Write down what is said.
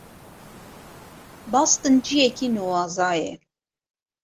Boston ciyekî nuwaze ye.